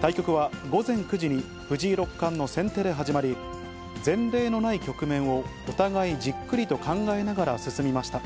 対局は、午前９時に藤井六冠の先手で始まり、前例のない局面をお互いじっくりと考えながら進みました。